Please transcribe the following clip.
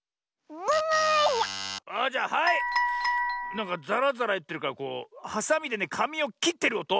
なんかザラザラいってるからはさみでねかみをきってるおと。